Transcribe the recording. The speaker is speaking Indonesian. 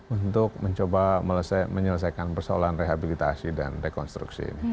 untuk mencoba menyelesaikan persoalan rehabilitasi dan rekonstruksi ini